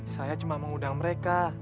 saya cuma mengundang mereka